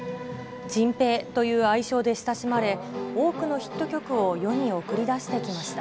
チンペイという愛称で親しまれ、多くのヒット曲を世に送り出してきました。